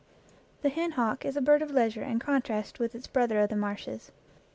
The hen hawk is a bird of leisure in con trast with its brother of the marshes.